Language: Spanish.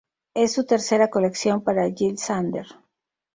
Es su tercera colección para Jil Sander.